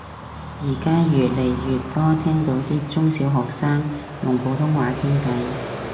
而家越嚟越多聽到啲中小學生用普通話傾偈